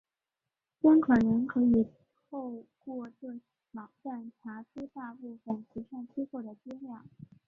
捐款人可以透过这网站查出大部份慈善机构的资料。